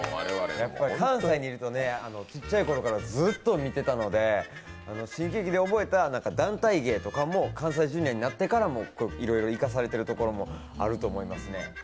関西にいると、ちっちゃいころからすっと見てたので新喜劇で覚えた団体芸とかも関西Ｊｒ．になってからもいろいろ生かされてるところもあると思いますね。